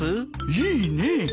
いいねえ。